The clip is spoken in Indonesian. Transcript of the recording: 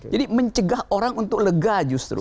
jadi mencegah orang untuk lega justru